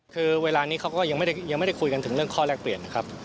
คือเวลานี้เขาก็ยังไม่ได้คุยกันถึงเรื่องข้อแรกเปลี่ยนนะครับ